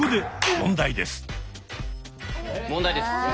問題です。